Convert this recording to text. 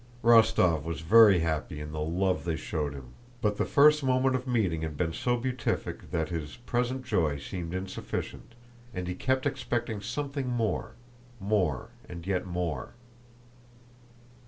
Rostóv was very happy in the love they showed him; but the first moment of meeting had been so beatific that his present joy seemed insufficient, and he kept expecting something more, more and yet more.